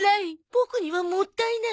ボクにはもったいない。